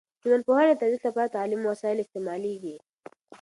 د ټولنپوهنې د تدریس لپاره تعلیمي وسایل استعمالیږي.